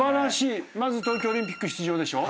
まず東京オリンピック出場でしょ。